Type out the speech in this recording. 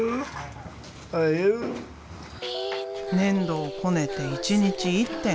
粘土をこねて一日１点。